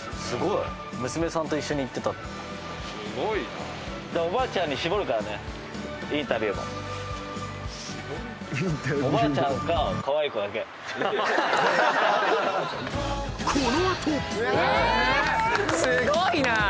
すごいな！